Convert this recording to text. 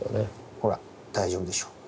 ほら大丈夫でしょ。